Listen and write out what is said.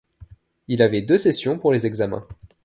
Il avait deux sessions pour les examens.